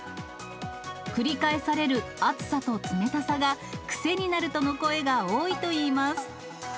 繰り返される熱さと冷たさが、癖になるとの声が多いといいます。